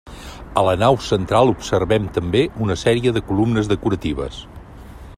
A la nau central observem també una sèrie de columnes decoratives.